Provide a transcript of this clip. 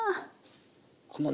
このね